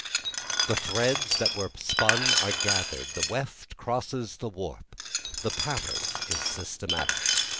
The threads that were spun are gather'd, the wet crosses the warp, the pattern is systematic.